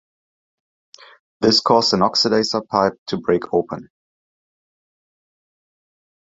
This caused an oxidizer pipe to break open.